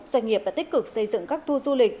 doanh nghiệp đã tích cực xây dựng các tour du lịch